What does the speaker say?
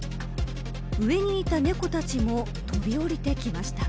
上にいた猫たちも飛び降りてきました。